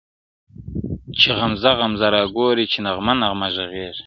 چي غمزه غمزه راګورې څه نغمه نغمه ږغېږې,